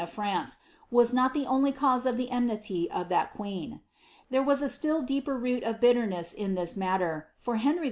of France, was not the jse of the enmity of that queen. There was a still deeper root ness in this matter, for Henry II.